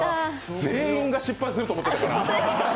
全員が失敗すると思ってたから。